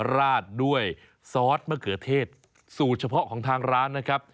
ราดด้วยซอสมะเขือเทศสูตรเฉพาะของทางร้านนะครับ